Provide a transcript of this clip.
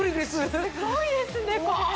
すごいですねこれ。